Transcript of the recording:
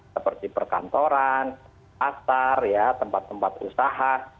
seperti perkantoran pasar tempat tempat usaha